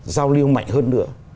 giao lưu mạnh hơn nữa